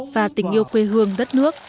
và tình yêu quê hương đất nước